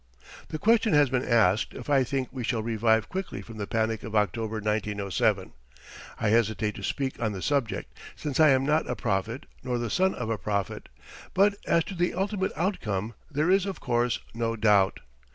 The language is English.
The question has been asked if I think we shall revive quickly from the panic of October, 1907. I hesitate to speak on the subject, since I am not a prophet nor the son of a prophet; but as to the ultimate outcome there is, of course, no doubt.